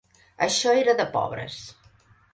Això era de pobres.